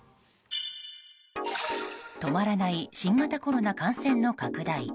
止まらない新型コロナ感染の拡大。